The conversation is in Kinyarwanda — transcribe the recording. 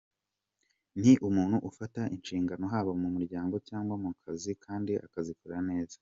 Ni umuntu ufata inshingano haba mu muryango cyangwa mu kazi kandi akazikora neza.